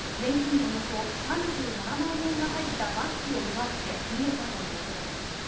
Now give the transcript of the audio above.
およそ３７万円が入ったバッグを奪って逃げたということです。